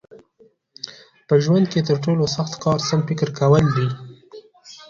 په ژوند کې تر ټولو سخت کار سم فکر کول دي.